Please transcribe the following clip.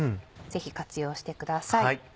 ぜひ活用してください。